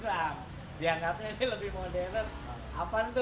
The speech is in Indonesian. ada gendang sama drum